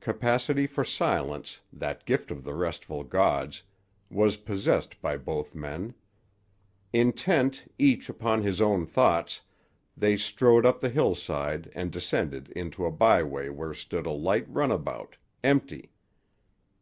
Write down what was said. Capacity for silence, that gift of the restful gods, was possessed by both men. Intent, each upon his own thoughts, they strode up the hillside and descended into a byway where stood a light runabout, empty.